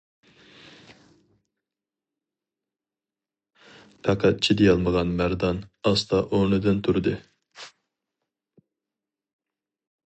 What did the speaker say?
پەقەت چىدىيالمىغان مەردان ئاستا ئورنىدىن تۇردى.